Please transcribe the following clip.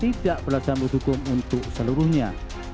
tidak berlasan berdukung untuk seluruhnya